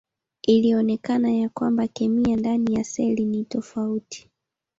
Ilionekana ya kwamba kemia ndani ya seli ni tofauti.